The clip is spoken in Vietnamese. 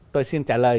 tôi xin trả lời